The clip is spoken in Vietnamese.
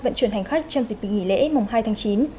vận chuyển hành khách trong dịp nghỉ lễ mùng hai tháng chín